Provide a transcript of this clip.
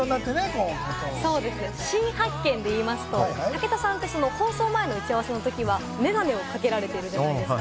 新発見で言いますと、武田さんって、放送前の打ち合わせの時はメガネをかけられているじゃないですか。